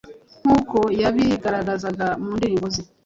nk’uko yabigaragazaga mu ndirimbo ze.